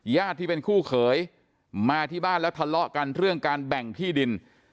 ที่เป็นคู่เขยมาที่บ้านแล้วทะเลาะกันเรื่องการแบ่งที่ดิน